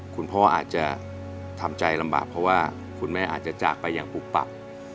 คุณพ่ออาจจะทำใจลำบากเพราะว่าคุณแม่อาจจะจากไปอย่างปุกปัก